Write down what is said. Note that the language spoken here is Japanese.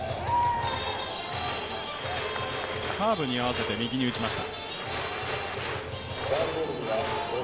カーブに合わせて右に打ちました。